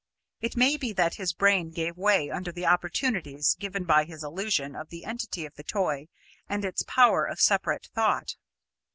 It may be that his brain gave way under the opportunities given by his illusion of the entity of the toy and its power of separate thought.